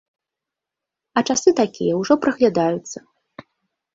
А часы такія ўжо праглядаюцца.